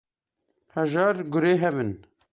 Hejar gurê hev in.